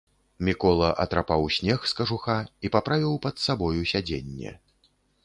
Мікола атрапаў снег з кажуха і паправіў пад сабою сядзенне.